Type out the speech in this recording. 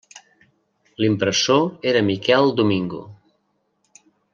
L'impressor era Miquel Domingo.